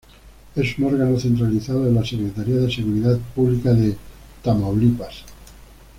Es un órgano centralizado de la "Secretaría de Seguridad Pública de Tamaulipas".